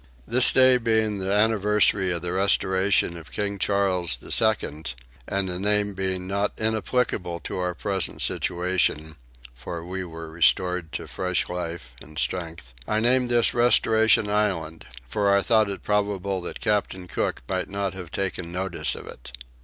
This day being the anniversary of the restoration of King Charles the Second, and the name not being inapplicable to our present situation (for we were restored to fresh life and strength) I named this Restoration Island; for I thought it probable that Captain Cook might not have taken notice of it.